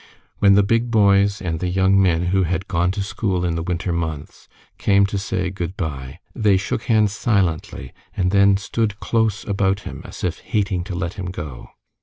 When the big boys, and the young men who had gone to school in the winter months, came to say good by, they shook hands silently, and then stood close about him as if hating to let him go.